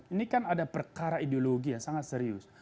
ini kan ada perkara ideologi yang sangat serius